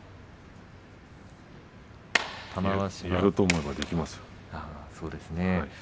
やろうと思えばできますよ。